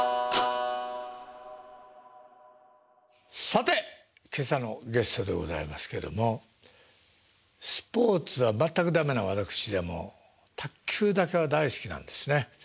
さて今朝のゲストでございますけどもスポーツは全く駄目な私でも卓球だけは大好きなんですね。